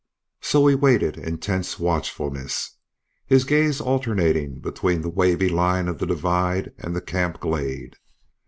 So he waited in tense watchfulness, his gaze alternating between the wavy line of the divide and the camp glade.